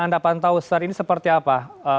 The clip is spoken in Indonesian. anda pantau saat ini seperti apa